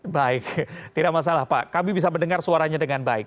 baik tidak masalah pak kami bisa mendengar suaranya dengan baik